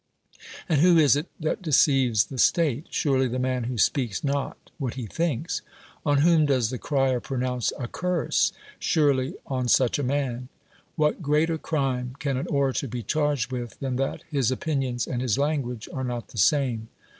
And who is it that deceives the state ? Surely the man who spealcs not Avliat he thinks. On whom does the crier pronounce a curse ? Surely 176 DEMOSTHENES on such a man. What greater crime can an orator be charged with than that his opinions and his language are not the same